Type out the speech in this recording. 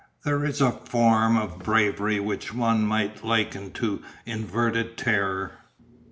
There is a form of bravery which one might liken to inverted terror.